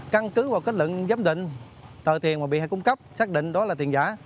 căn cứ vào kết luận giám định tờ tiền mà bị hại cung cấp xác định đó là tiền giả